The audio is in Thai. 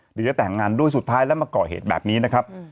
เดี๋ยวจะแต่งงานด้วยสุดท้ายแล้วมาก่อเหตุแบบนี้นะครับ